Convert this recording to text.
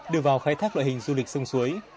đưa vào khai thác loại hình du lịch sông suối